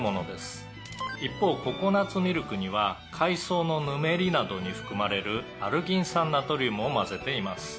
「一方ココナッツミルクには海藻のぬめりなどに含まれるアルギン酸ナトリウムを混ぜています」